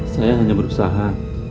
saya hanya berusaha